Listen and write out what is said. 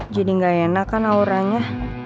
jadi gak enak kan auranya